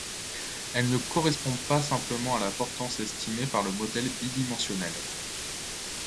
Elle ne correspond pas simplement à la portance estimée par le modèle bi-dimensionnel.